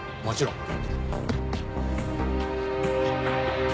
もちろん。